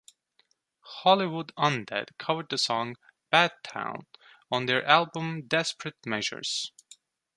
Hollywood Undead covered the song "Bad Town" on their album Desperate Measures.